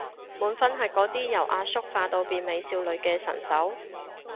滿分係嗰啲由阿叔化到變美少女嘅神手